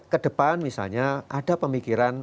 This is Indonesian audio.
ke depan misalnya ada pemikiran